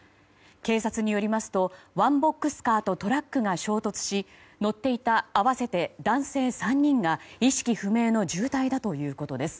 警察によりますとワンボックスカーとトラックが衝突し乗っていた合わせて男性３人が意識不明の重体だということです。